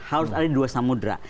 harus ada dua samudera